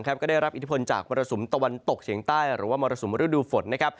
ก็ได้รับอิทธิพลจากมรสุมตะวันตกเฉียงใต้หรือว่ามรสุมฤดูฝน